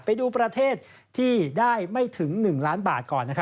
ไปดูประเทศที่ได้ไม่ถึง๑ล้านบาทก่อน